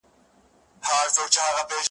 په همزولو په سیالانو کي منلې ,